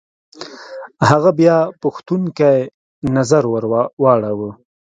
هغه بيا پوښتونکی نظر ور واړوه.